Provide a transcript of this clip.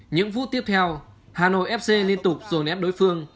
những phút tiếp theo hà nội fc liên tục dồn ép đối phương